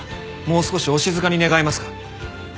もう少しお静かに願えますか？